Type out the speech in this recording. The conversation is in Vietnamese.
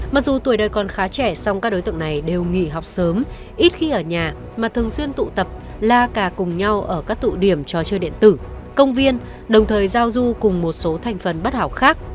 mặc dù tuổi đời còn khá trẻ song các đối tượng này đều nghỉ học sớm ít khi ở nhà mà thường xuyên tụ tập la cà cùng nhau ở các tụ điểm trò chơi điện tử công viên đồng thời giao du cùng một số thành phần bất hảo khác